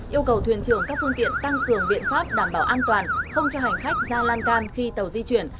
yêu cầu thuyền trưởng các phương tiện tăng cường biện pháp đảm bảo an toàn không cho hành khách ra lan can khi tàu di chuyển